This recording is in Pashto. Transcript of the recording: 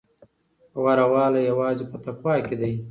غوره والی یوازې په تقوی کې دی.